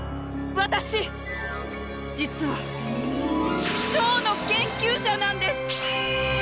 私実は蝶の研究者なんです！